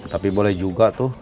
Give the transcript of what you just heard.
tapi boleh juga tuh